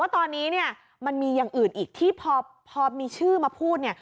ตอนนี้มันมีอย่างอื่นอีกที่พอมีชื่อมาพูด